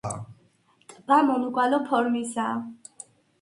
ტბა მომრგვალო ფორმისაა.